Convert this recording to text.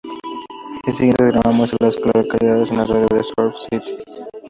El siguiente diagrama muestra a las localidades en un radio de de Surf City.